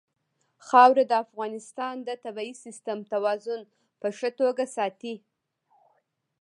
خاوره د افغانستان د طبعي سیسټم توازن په ښه توګه ساتي.